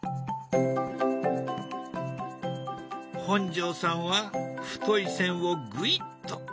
本上さんは太い線をぐいっと。